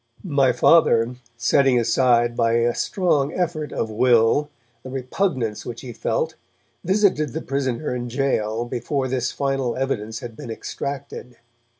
My Father, setting aside by a strong effort of will the repugnance which he felt, visited the prisoner in gaol before this final evidence had been extracted.